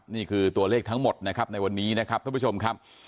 นี่คือตัวเลขทั้งหมดนะครับในวันนี้นะครับท่านผู้ชมครับ